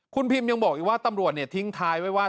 คุณพิมยังบอกอีกว่าตำรวจทิ้งท้ายไว้ว่า